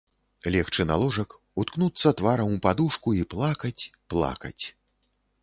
Легчы на ложак, уткнуцца тварам у падушку і плакаць, плакаць.